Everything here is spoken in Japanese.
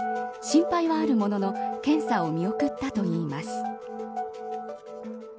心配はあるものの検査を見送ったといいます。